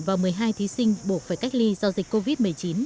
và một mươi hai thí sinh buộc phải cách ly do dịch covid một mươi chín